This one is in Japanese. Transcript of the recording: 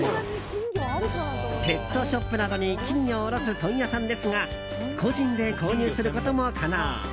ペットショップなどに金魚を卸す問屋さんですが個人で購入することも可能。